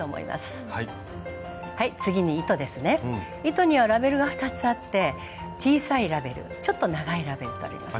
糸にはラベルが２つあって小さいラベルちょっと長いラベルとあります。